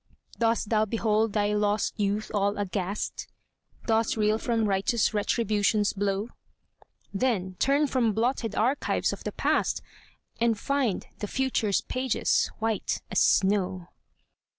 Dost thou behold thy lost youth all aghast? Dost reel from righteous Retribution's blow? Then turn from blotted archives of the past, And find the future's pages white as snow.